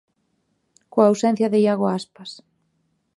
Coa ausencia de Iago Aspas.